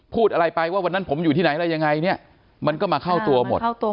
พูดอะไรไปว่าวันนั้นผมอยู่ที่ไหนอะไรยังไงเนี่ยมันก็มาเข้าตัวหมด